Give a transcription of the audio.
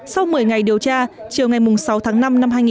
sau một mươi ngày điều tra chiều ngày sáu tháng năm năm hai nghìn một mươi ba